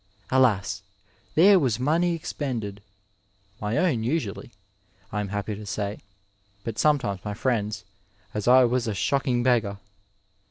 Alas ! there was money expended (my own usually, I am happy to say, but sometimes my friends', as I was a shock ing beggar